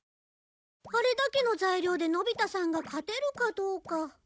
あれだけの材料でのび太さんが勝てるかどうか。